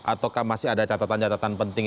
ataukah masih ada catatan catatan penting